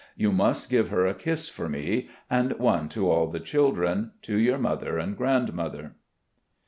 You must give her a kiss for me, and one to all the children, to your mother, and grandmother."